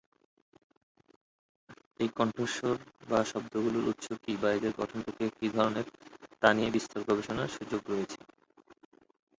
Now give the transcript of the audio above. এই কণ্ঠস্বর বা শব্দগুলোর উৎস কি বা এদের গঠন প্রক্রিয়া কি ধরনের তা নিয়ে বিস্তর গবেষণার সুযোগ রয়েছে।